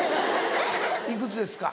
いくつですか？